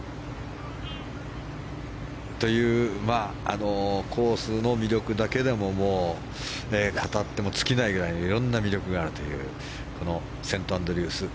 というコースの魅力だけでも語っても尽きないぐらいいろんな魅力があるというセントアンドリュースの